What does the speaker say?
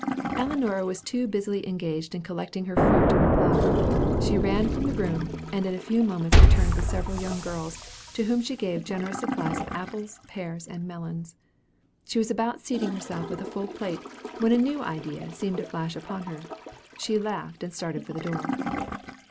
Ellinora was too busily engaged in collecting her fruit to reply. She ran from the room; and in a few moments returned with several young girls, to whom she gave generous supplies of apples, pears, and melons. She was about seating herself with a full plate, when a new idea seemed to flash upon her. She laughed, and started for the door.